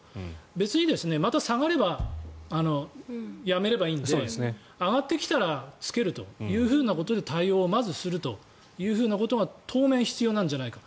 別に、また下がればやめればいいので。上がってきたら着けるというふうなことで対応をまずするというふうなことが当面、必要なんじゃないか。